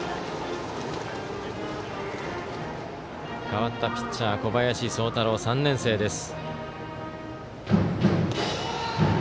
代わったピッチャー、小林聡太朗３年生です。